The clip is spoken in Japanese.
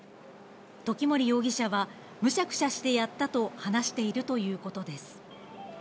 時森容疑者は、むしゃくしゃしてやったと話しているということです。